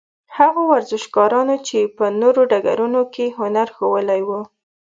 هغو ورزشکارانو چې په نورو ډګرونو کې هنر ښوولی وو.